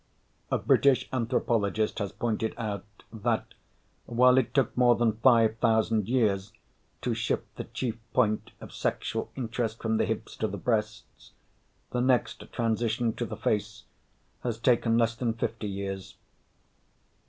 A British anthropologist has pointed out, that, while it took more than 5,000 years to shift the chief point of sexual interest from the hips to the breasts, the next transition to the face has taken less than 50 years.